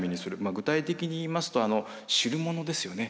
具体的に言いますと汁物ですよね。